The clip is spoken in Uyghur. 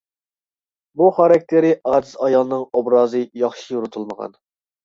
بۇ خاراكتېرى ئاجىز ئايالنىڭ ئوبرازى ياخشى يورۇتۇلمىغان.